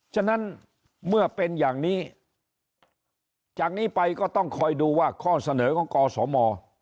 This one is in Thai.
ฉะนั้นเมื่อเป็นอย่างนี้จากนี้ไปก็ต้องคอยดูว่าข้อเสนอของกสม